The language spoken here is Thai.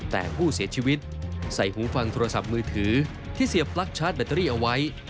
แต่ผู้เสียชีวิตใส่หูฟังโทรศัพท์มือถือที่เสียปลั๊กชาร์จแบตเตอรี่เอาไว้